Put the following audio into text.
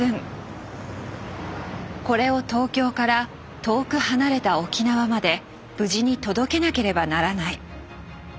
これを東京から遠く離れた沖縄まで無事に届けなければならない。